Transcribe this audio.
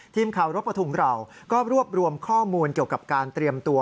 ทีมข่าวรถประทุมเราก็รวบรวมข้อมูลเกี่ยวกับการเตรียมตัว